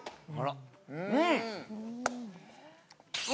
うん！